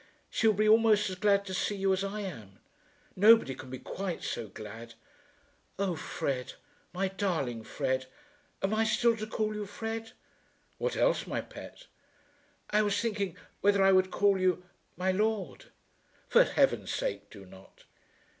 She will be almost as glad to see you as I am. Nobody can be quite so glad. Oh Fred, my darling Fred, am I still to call you Fred?" "What else, my pet?" "I was thinking whether I would call you my Lord." "For heaven's sake do not."